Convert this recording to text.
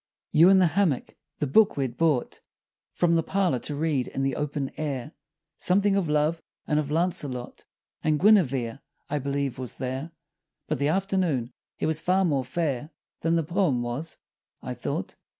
You in the hammock. The book we'd brought From the parlor to read in the open air, Something of love and of Launcelot And Guinevere, I believe, was there But the afternoon, it was far more fair Than the poem was, I thought.